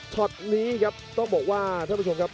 ช็อตนี้ครับต้องบอกว่าท่านผู้ชมครับ